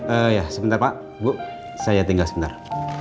oh ya sebentar pak bu saya tinggal sebentar